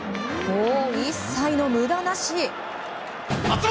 一切の無駄なし！